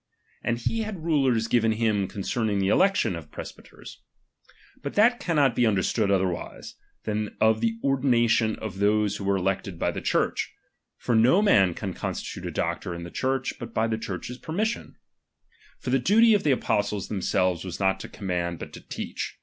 And he had rules given him concerning the election of presbyters. But RELIGION. 'tliat cannot be imderstood otherwise, than of the or 1 dinatioQ of those who were elected by the Church ;'^ for no man can coostitDte a doctor in the Church, bat by the Church's permis^ou. For the doty of ihe apostles themselves was not to command, but to teach.